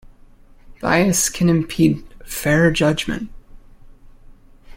Bias can impede fair judgment.